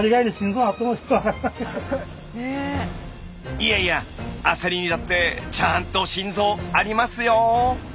いやいやアサリにだってちゃんと心臓ありますよ。